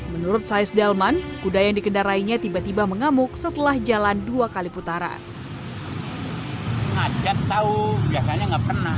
menurut sais delman kuda yang dikendarainya tiba tiba mengamuk setelah jalan dua kali putaran